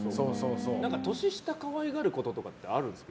年下、可愛がることとかってあるんですか？